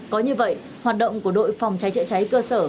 có như vậy hoạt động của đội phòng cháy chữa cháy cơ sở